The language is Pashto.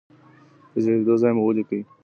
د زیږیدو ځای مو ولیکئ.